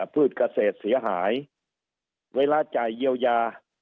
พืชเกษตรเสียหายเวลาจ่ายเยียวยา